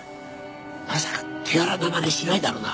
まさか手荒なまねしないだろうな？